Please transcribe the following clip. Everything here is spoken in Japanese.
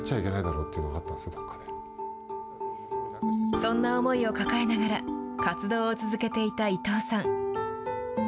そんな思いを抱えながら、活動を続けていた伊藤さん。